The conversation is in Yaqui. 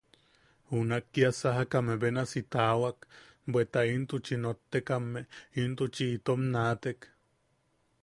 Junak kia sajakame benasi tawakan, bweta intuchi nottekame, intuchi itom naatek.